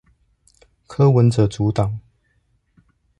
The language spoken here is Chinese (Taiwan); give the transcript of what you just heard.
柯文哲組黨